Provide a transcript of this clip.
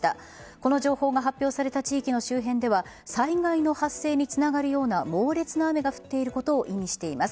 この情報が発表された地域の周辺では災害の発生につながるような猛烈な雨が降っていることを意味しています。